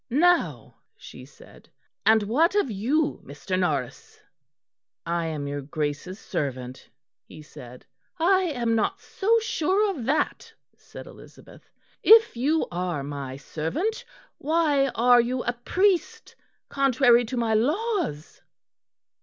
"Now," she said, "and what of you, Mr. Norris?" "I am your Grace's servant," he said. "I am not so sure of that," said Elizabeth. "If you are my servant, why are you a priest, contrary to my laws?"